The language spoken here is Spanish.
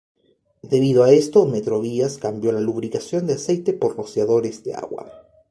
Debido a esto Metrovías cambió la lubricación de aceite por rociadores de agua.